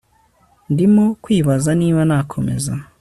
ndimo kwibaza niba nakomeza